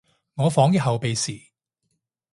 我房嘅後備匙